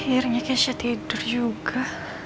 akhirnya kayaknya tidur juga